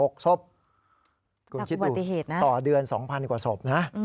ศพคุณคิดดูต่อเดือน๒๐๐กว่าศพนะ